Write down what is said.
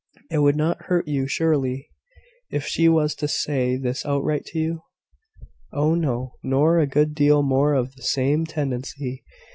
It would not hurt you, surely, if she was to say this outright to you?" "Oh, no; nor a good deal more of the same tendency.